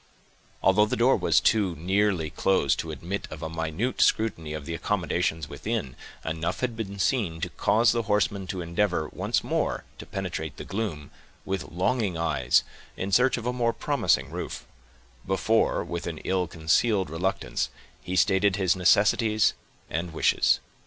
Although the door was too nearly closed to admit of a minute scrutiny of the accommodations within, enough had been seen to cause the horseman to endeavor, once more, to penetrate the gloom, with longing eyes, in search of a more promising roof, before, with an ill concealed reluctance, he stated his necessities and wishes.